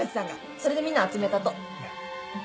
それでみんな集めたと。